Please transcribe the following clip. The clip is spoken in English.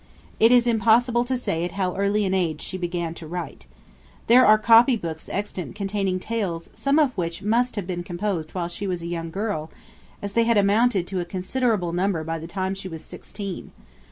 It is impossible to say at how early an age she began to write. There are copy books extant containing tales some of which must have been composed while she was a young girl, as they had amounted to a considerable number by the time she was sixteen.